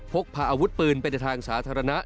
พกพาอาวุธปืนไปในทางสาธารณะ